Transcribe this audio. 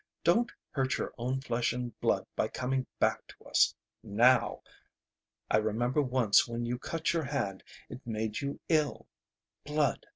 Don't hurt your own flesh and blood by coming back to us now. I remember once when you cut your hand it made you ill. Blood!